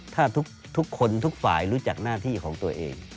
ถ้าทุกคนทุกฝ่ายรู้จักหน้าที่ของตัวเอง